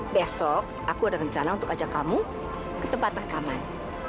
besok aku ada rencana untuk ajak kamu ke tempat rekaman